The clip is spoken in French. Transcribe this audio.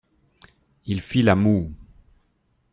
Il fit la moue.